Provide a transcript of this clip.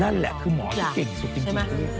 นั่นแหละคุณหมอที่เก่งสุดให้เรียบ